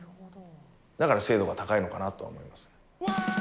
だから精度が高いのかなとは思いますね。